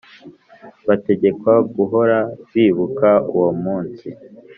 bategekwa guhora bibuka uwo munsi